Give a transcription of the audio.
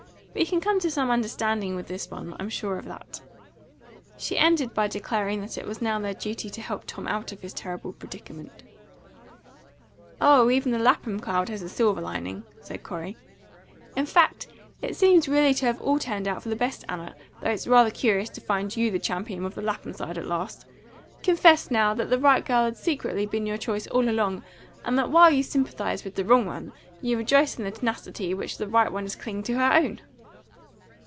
We can come to some understanding with this one; I'm sure of that." She ended by declaring that it was now their duty to help Tom out of his terrible predicament. "Oh, even the Lapham cloud has a silver lining," said Corey. "In fact, it seems really to have all turned out for the best, Anna; though it's rather curious to find you the champion of the Lapham side, at last. Confess, now, that the right girl has secretly been your choice all along, and that while you sympathise with the wrong one, you rejoice in the tenacity with which the right one is clinging to her own!"